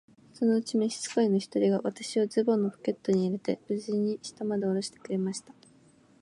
そのうちに召使の一人が、私をズボンのポケットに入れて、無事に下までおろしてくれました。